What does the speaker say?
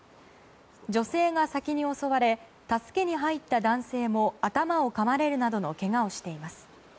女性が先に襲われ、助けに入った男性も頭をかまれるなどのけがをしています。